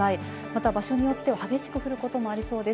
また場所によっては激しく降ることもありそうです。